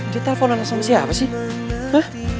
dia teleponan sama siapa sih